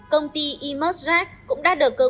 công ty e merserat cũng đã được phát triển